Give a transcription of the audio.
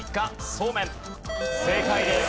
正解です。